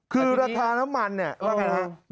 คือราคาน้ำมันเนี่ยว่าไงฮะ